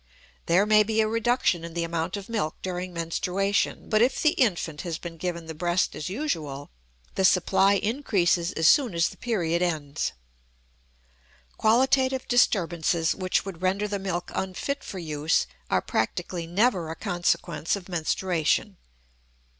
There may be a reduction in the amount of milk during menstruation, but if the infant has been given the breast as usual, the supply increases as soon as the period ends. Qualitative disturbances which would render the milk unfit for use are practically never a consequence of menstruation.